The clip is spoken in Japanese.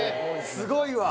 すごいわ。